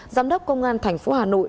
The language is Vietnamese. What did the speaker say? giám đốc công an thành phố hà nội